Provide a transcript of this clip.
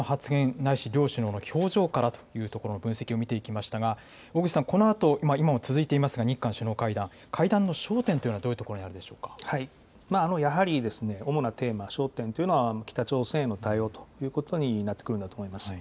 ないし、表情からというところの分析を見ていきましたが、小口さん、このあと、今も続いていますが、日韓首脳会談、会談の焦点というのはやはり主なテーマ、焦点というのは北朝鮮への対応ということになってくるんだと思います。